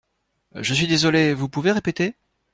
Je suis désolée. Vous pouvez répéter?